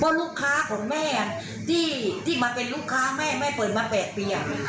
เพราะลูกค้าของแม่ที่มาเป็นลูกค้าแม่แม่เปิดมา๘ปี